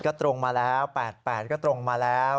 ก็ตรงมาแล้ว๘๘ก็ตรงมาแล้ว